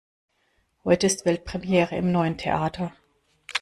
Heute ist Weltpremiere im neuen Theater.